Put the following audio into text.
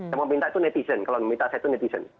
yang meminta itu netizen kalau meminta saya itu netizen